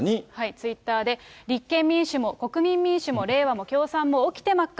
ツイッターで、立憲民主も国民民主も、れいわも共産も起きてまっか。